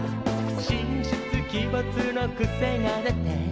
「神出鬼没のクセが出て」